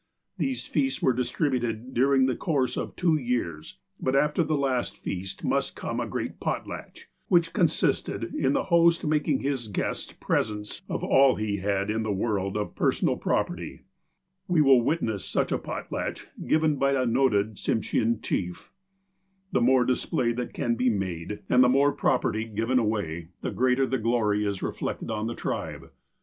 These feasts were distributed during the course of two years ; but af ter the last feast must come a great "potlatch," which consisted in the host making his guests presents of all he had in the world of personal property. We will witness such a "potlatch" given by a noted Tsinishean chief. The more display that can be made, and the more REGALIA OF A TSIMSHEAX CHIEF PECULIAR CUSTOMS 17 property given away, the greater glory is reflected on the tribe.